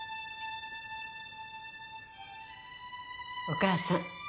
お母さん。